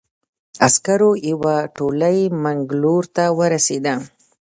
عسکرو یوه تولۍ منګلور ته ورسېده.